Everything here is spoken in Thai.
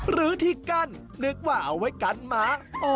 หรือที่กั้นนึกว่าเอาไว้กันหมา